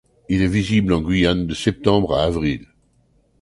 Il est visible en Guyane de septembre à avril.